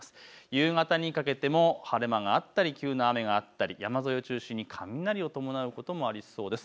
夕方にかけても晴れ間があったり急な雨があったり山沿いを中心に雷を伴うこともありそうです。